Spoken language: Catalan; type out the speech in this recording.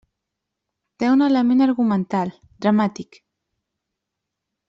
Té un element argumental, dramàtic.